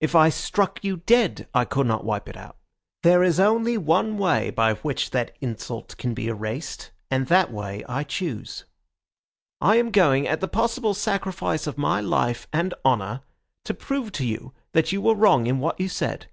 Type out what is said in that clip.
If I struck you dead I could not wipe it out. There is only one way by which that insult can be erased, and that way I choose. I am going, at the possible sacrifice of my life and honour, to prove to you that you were wrong in what you said."